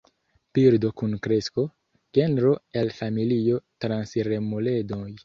Birdo kun kresto, genro el familio transiremuledoj.